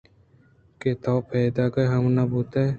کہ تو پیداک ہم نہ بُوتگ ئے